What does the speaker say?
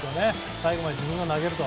最後まで自分が投げると。